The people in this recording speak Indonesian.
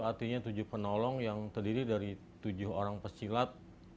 artinya tujuh penolong yang terdiri dari tujuh orang pesilat